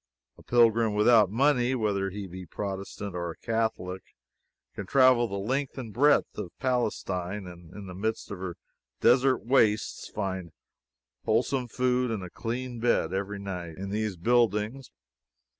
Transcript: A pilgrim without money, whether he be a Protestant or a Catholic, can travel the length and breadth of Palestine, and in the midst of her desert wastes find wholesome food and a clean bed every night, in these buildings.